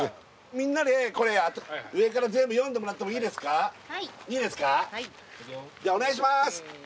みんなでこれ上から全部読んでもらってもいいですかじゃあお願いします